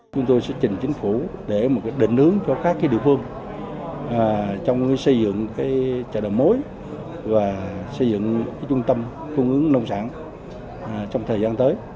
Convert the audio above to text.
chúng tôi sẽ trình chính phủ để một định hướng cho các địa phương trong xây dựng chợ đồng mối và xây dựng trung tâm cung ứng nông sản trong thời gian tới